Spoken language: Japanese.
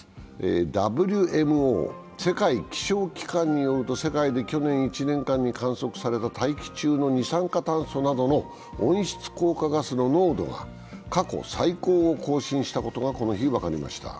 ＷＭＯ＝世界気象機関によると世界で去年１年間に観測された大気中の二酸化炭素などの温室効果ガスの濃度が過去最高を更新したことがこの日、分かりました。